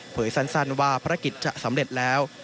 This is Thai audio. สั้นว่าภารกิจจะสำเร็จแล้ว